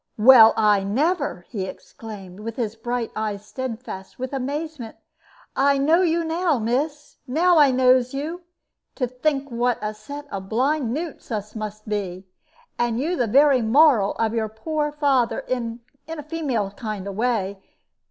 "Well, I never!" he exclaimed, with his bright eyes steadfast with amazement. "I know you now, miss. Now I knows you. To think what a set of blind newts us must be! And you the very moral of your poor father, in a female kind of way!